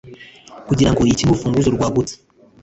kugirango ikine urufunguzo rwagutse?